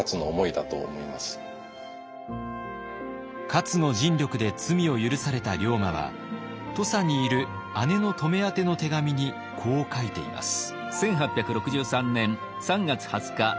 勝の尽力で罪を許された龍馬は土佐にいる姉の乙女宛ての手紙にこう書いています。